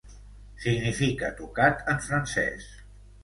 Significa tocat en francès.